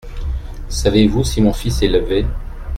Savez-vous si mon fils est levé ?